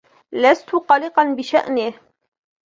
لست قلقا بشأنه